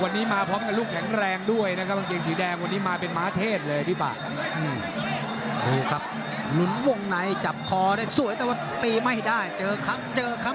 วันนี้มาพร้อมกับลูกแข็งแรงด้วยนะครับเกงสีแดงวันนี้มาเป็นมาเทศเลยครับดี่บา